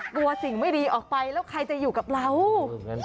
สิ่งไม่ดีออกไปแล้วใครจะอยู่กับเรา